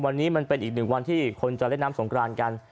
วันนี้มันเป็นอีกหนึ่งวันที่คนจะเล่นน้ำสงกรานกัน